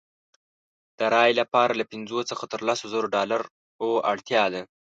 د رایې لپاره له پنځو څخه تر لسو زرو ډالرو اړتیا ده.